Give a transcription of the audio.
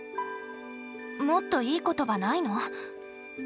もっといい言葉ないの？